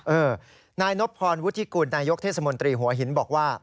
เออนายนบพรวุฒิกุลนายกเทศมนตรีหัวหินบอกว่า